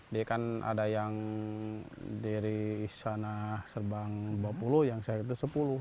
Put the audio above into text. dia kan ada yang dari istana serbang dua puluh yang saya itu sepuluh